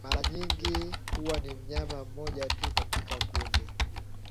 mara nyingi huwa ni mnyama mmoja tu katika kundi